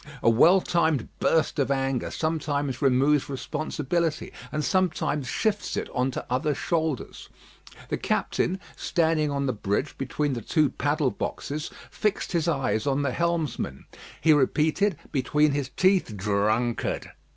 A well timed burst of anger sometimes removes responsibility, and sometimes shifts it on to other shoulders. The captain, standing on the bridge between the two paddle boxes, fixed his eyes on the helmsman. He repeated, between his teeth, "Drunkard."